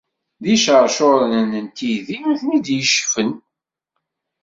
D icercuren n tidi i ten-id-yeccfen.